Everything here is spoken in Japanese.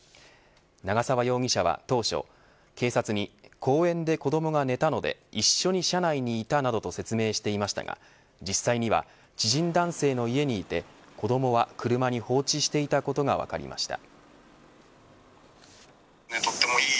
長沢容疑者は当初警察に公園で子どもが寝たので一緒に車内にいたなどと説明していましたが実際には知人男性の家にいて子どもは車に放置していたことが分かりました。